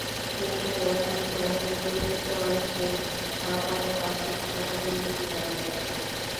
কিন্তু এখন ক্যাম্পে যোগ দেওয়ার চেয়ে বাবার পাশে থাকাটাই জরুরি আমার কাছে।